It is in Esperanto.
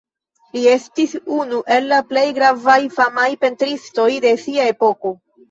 Li estis unu el la plej gravaj famaj pentristoj de sia epoko.